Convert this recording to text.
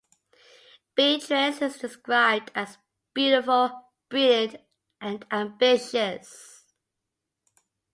Beatrice is described as beautiful, brilliant and ambitious.